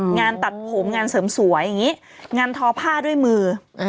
งานตัดผมงานเสริมสวยอย่างนี้งานทอผ้าด้วยมือ